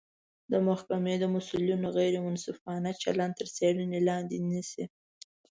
د محکمې د مسوولینو غیر منصفانه چلند تر څیړنې لاندې نیسي